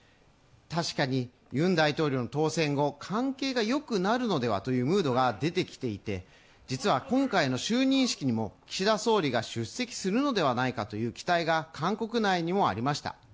確かにユン大統領の当選後、関係がよくなるのではというムードが出てきていて実は今回の就任式にも岸田総理が出席するのではないかという期待が韓国内にもありました。